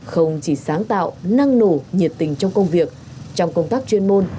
không chỉ sáng tạo năng nổ nhiệt tình trong công việc trong công tác chuyên môn